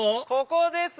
ここです！